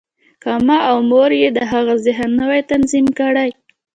که ما او مور یې د هغه ذهن نه وای تنظیم کړی